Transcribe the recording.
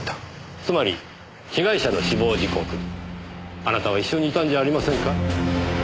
つまり被害者の死亡時刻あなたは一緒にいたんじゃありませんか？